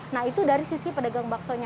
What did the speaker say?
nah itu dari sisi pedagang baksonya